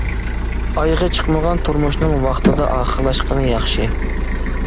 ئايىغى چىقمىغان تۇرمۇشنىڭ ۋاقتىدا ئاخىرلاشقىنى ياخشى.